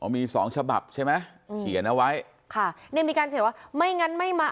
มีสองฉบับใช่ไหมเขียนเอาไว้ค่ะเนี่ยมีการเขียนว่าไม่งั้นไม่มา